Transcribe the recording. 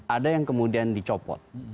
ada yang kemudian dicopot